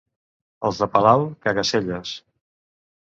Els de Palau, caga-selles.